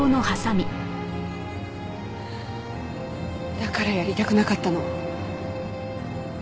だからやりたくなかったの。